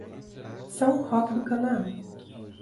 São Roque do Canaã